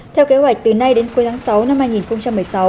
theo kế hoạch từ nay đến cuối tháng sáu năm hai nghìn một mươi sáu